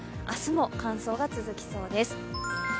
明日も乾燥が続きそうです。